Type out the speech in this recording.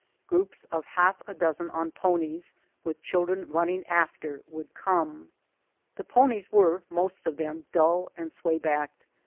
Groups of half a dozen on ponies, with chil dren running after, would come. The ponies were, most of them, dull and sway backed.